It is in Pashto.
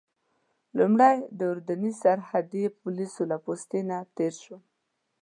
لومړی د اردني سرحدي پولیسو له پوستې نه تېر شوم.